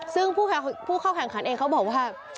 ซึ่งผู้เข้าแข่งขันเองเขาบอกว่า